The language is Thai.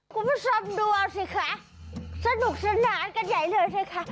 คุณมาซ้อมดัวสิคะสนุกสนานกันใหญ่เลยใช่ไหมคะ